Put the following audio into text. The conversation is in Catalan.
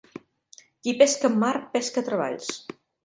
Qui pesca en mar pesca treballs.